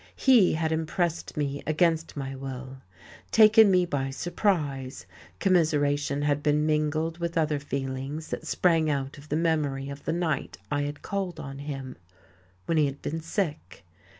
He had impressed me against my will, taken me by surprise, commiseration had been mingled with other feelings that sprang out of the memory of the night I had called on him, when he had been sick.